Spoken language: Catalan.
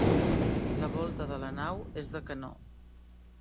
La volta de la nau és de canó.